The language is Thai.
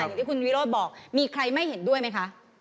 อย่างที่คุณวิโรธบอกมีใครไม่เห็นด้วยไหมคะ